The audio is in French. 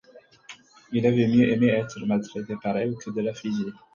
Il avait mieux aimé être maltraité par elle que de l’affliger.